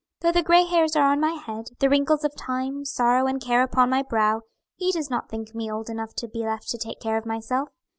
Though the gray hairs are on my head, the wrinkles of time, sorrow, and care upon my brow, He does not think me old enough to be left to take care of myself.